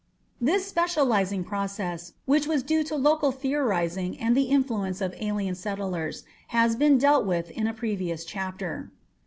This specializing process, which was due to local theorizing and the influence of alien settlers, has been dealt with in a previous chapter.